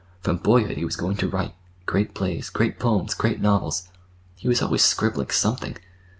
From boyhood he was going to write—great plays, great poems, great novels. He was always scribbling—something.